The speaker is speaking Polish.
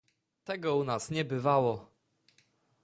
"Tego u nas nie bywało!..."